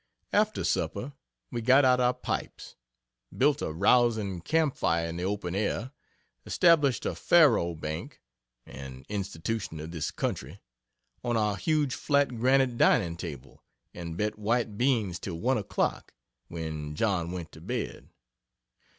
After supper we got out our pipes built a rousing camp fire in the open air established a faro bank (an institution of this country,) on our huge flat granite dining table, and bet white beans till one o'clock, when John went to bed.